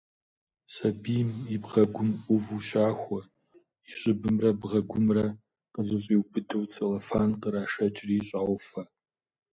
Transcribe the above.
Сабийм и бгъэгум ӏуву щахуэ, и щӏыбымрэ бгъэгумрэ къызэщӏиубыдэу целлофан кърашэкӏри, щӏауфэ.